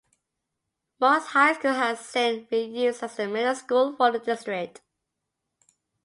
Morris Highschool has since been used as the middle school for the district.